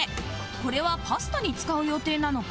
これはパスタに使う予定なのか？